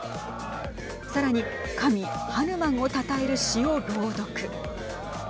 さらに神ハヌマンをたたえる詩を朗読。